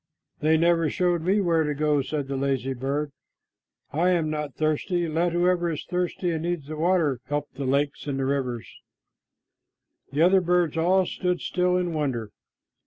"They never showed me where to go," said the lazy bird. "I am not thirsty. Let whoever is thirsty and needs the water help the lakes and rivers." The other birds all stood still in wonder.